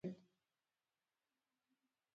دوی به ځنګلونو ته تښتېدل او هلته به اوسېدل.